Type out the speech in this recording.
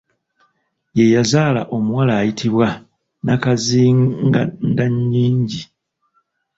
Ye yazaala omuwala ayitibwa Nakkazingandannyingi.